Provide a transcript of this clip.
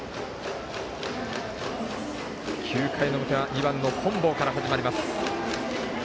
９回の表は２番の本坊から始まります。